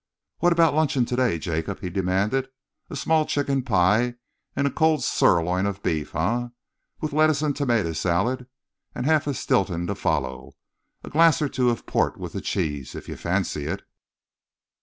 "What about luncheon to day, Jacob?" he demanded. "A small chicken pie and a cold sirloin of beef, eh, with lettuce and tomato salad, and half a stilton to follow. A glass or two of port with the cheese, if you fancy it."